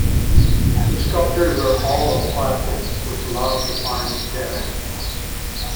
The sculptures are all of plaster, which allows for fine detailing.